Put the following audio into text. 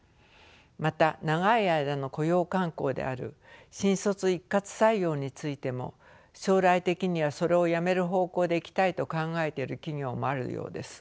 また長い間の雇用慣行である新卒一括採用についても将来的にはそれをやめる方向でいきたいと考えている企業もあるようです。